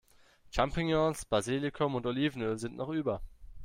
Champignons, Basilikum und Olivenöl sind noch über.